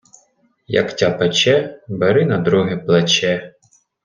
Як тя пече, бери на друге плече!